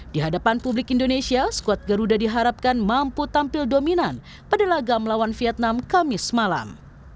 di hadapan publik indonesia skuad garuda diharapkan mampu tampil dominan pada laga melawan vietnam kamis malam